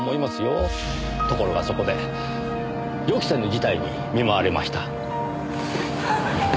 ところがそこで予期せぬ事態に見舞われました。